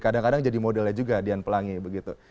kadang kadang jadi modelnya juga dian pelangi begitu